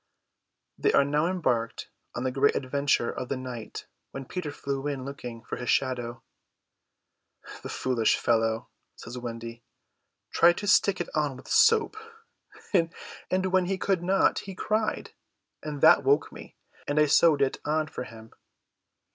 They are now embarked on the great adventure of the night when Peter flew in looking for his shadow. "The foolish fellow," says Wendy, "tried to stick it on with soap, and when he could not he cried, and that woke me, and I sewed it on for him."